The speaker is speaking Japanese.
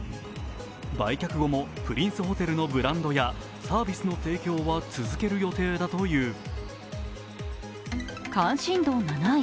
売却後もプリンスホテルのブランドやサービスの提供は続ける予定だという。